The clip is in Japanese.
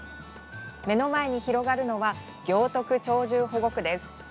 目の前に広がるのは行徳鳥獣保護区です。